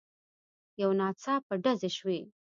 يو ناڅاپه ډزې شوې.